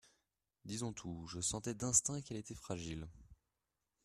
Disons tout, je sentais, d'instinct, qu'elle était fragile.